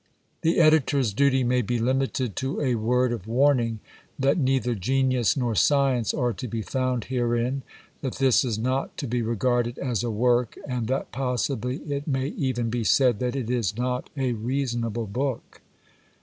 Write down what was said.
The editor's duty may be limited to a word of warning, that neither genius nor science are to be found herein, tliat this is not to be regarded as a work, and that possibly it may even be said that it is not a reasonable book.